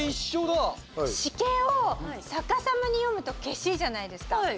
シケを逆さまに読むとケシじゃないですか。